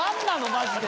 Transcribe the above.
マジで。